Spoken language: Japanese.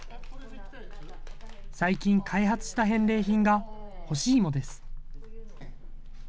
最近、開発した返礼品が干しいもです。